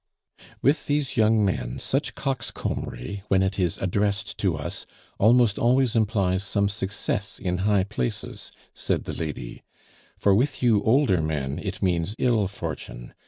"With these young men such coxcombry, when it is addressed to us, almost always implies some success in high places," said the lady; "for with you older men it means ill fortune.